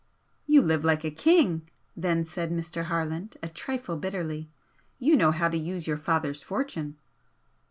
"You live like a king" then said Mr. Harland, a trifle bitterly "You know how to use your father's fortune."